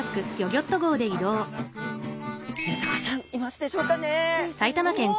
メダカちゃんいますでしょうかね？ですね。